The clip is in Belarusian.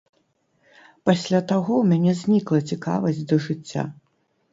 Пасля таго ў мяне знікла цікавасць да жыцця.